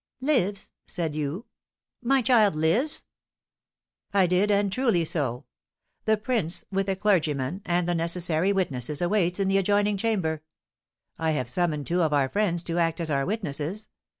"Lives! said you? My child lives?" "I did, and truly so; the prince, with a clergyman and the necessary witnesses, awaits in the adjoining chamber; I have summoned two of our friends to act as our witnesses.